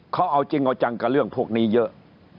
เขาเอาจริงเอาจังกับเรื่องพวกนี้เยอะ